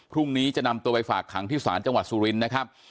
พรุ่งนี้จะนำตัวไปฝากขังที่ศาลจังหวัดสุรินทร์นะครับ